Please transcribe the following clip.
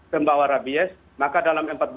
pembawa rabies maka dalam empat belas